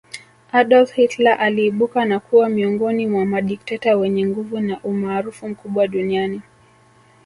Adolf Hitler aliibuka na kuwa miongoni mwa madikteta wenye nguvu na umaarufu mkubwa duniani